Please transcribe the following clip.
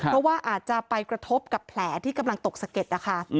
เพราะว่าอาจจะไปกระทบกับแผลที่กำลังตกสะเก็ดนะคะ